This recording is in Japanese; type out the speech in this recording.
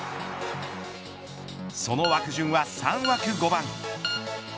その枠順は３枠５番。